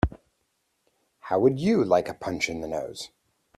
How would you like a punch in the nose?